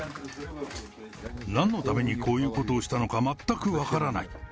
なんのためにこういうことをしたのか、全く分からない。